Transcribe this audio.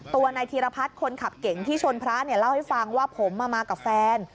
ตัวนายธีรพัฒน์คนขับเก่งที่ชนพระเนี่ยเล่าให้ฟังว่าผมมากับแฟน